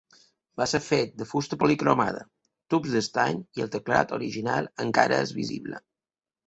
Va ser fet de fusta policromada, tubs d'estany i el teclat original encara és visible.